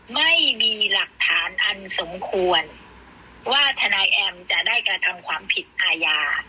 ไม่มีหลักฐานอันสมควรว่าทนายแอมจะได้กระทำความผิดอาญา